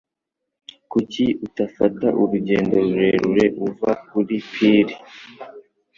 Kuki utafata urugendo rurerure uva kuri pir?